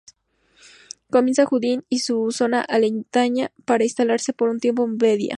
Comienza en Junín y su zona aledaña para instalarse por un tiempo en Vedia.